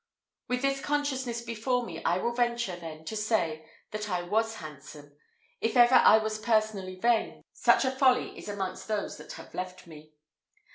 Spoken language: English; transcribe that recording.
With this consciousness before me, I will venture, then, to say, that I was handsome: if ever I was personally vain, such a folly is amongst those that have left me.